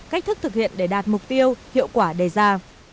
cách thức thực hiện để đạt mục tiêu hiệu quả đề ra